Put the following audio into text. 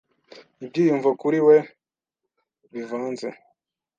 Ibyiyumvo kuri we bivanze.